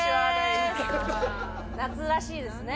夏らしいですね。